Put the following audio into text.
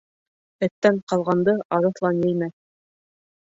Эттән ҡалғанды арыҫлан еймәҫ.